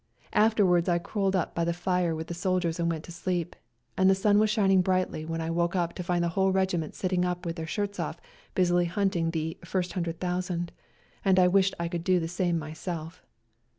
Afterwards I curled up by the fire with the soldiers and went to sleep, and the sun was shining brightly when I woke to find the whole regiment sitting up with their shirts off busily hunting the " first hundred thousand," and I wished I could do the same myself.